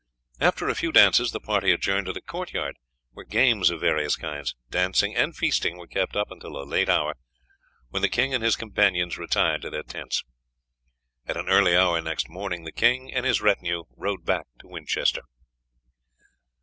After a few dances the party adjourned to the court yard, where games of various kinds, dancing and feasting were kept up until a late hour, when the king and his companions retired to their tents. At an early hour next morning the king and his retinue rode back to Winchester.